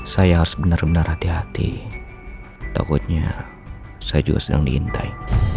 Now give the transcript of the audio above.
saya harus benar benar hati hati takutnya saya juga sedang diintai